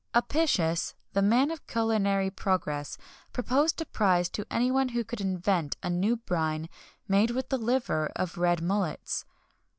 Apicius, the man of culinary progress, proposed a prize to any one who could invent a new brine made with the liver of red mullets.